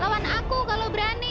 kawan aku kalau berani